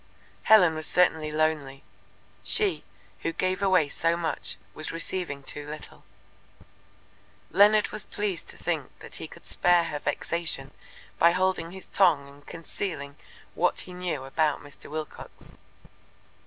Helen was certainly lonely. She, who gave away so much, was receiving too little. Leonard was pleased to think that he could spare her vexation by holding his tongue and concealing what he knew about Mr. Wilcox.